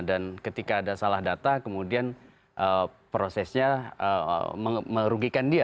dan ketika ada salah data kemudian prosesnya merugikan dia